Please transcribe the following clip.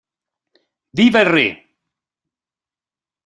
Viva il Re!